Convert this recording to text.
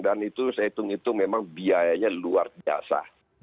dan itu saya hitung hitung memang biayanya luar biasa